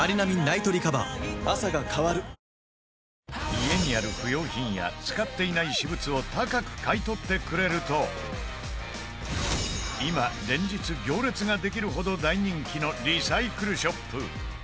家にある不要品や使っていない私物を高く買い取ってくれると今、連日行列ができるほど大人気のリサイクルショップ